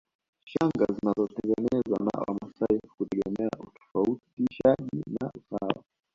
Shanga zinazotengenezwa na Wamasai hutegemea utofautishaji na usawa